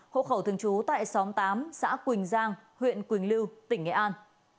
hộ khẩu thường trú tại xóm tám xã quỳnh giang huyện quỳnh lưu tỉnh nghệ an